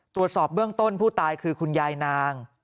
ตรวจสอบเบื้องต้นผู้ตายคือคุณยายนาง